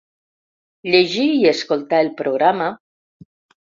Llegir i escoltar el programa….